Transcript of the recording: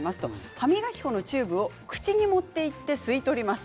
歯磨き粉のチューブを口に持っていって吸い取ります。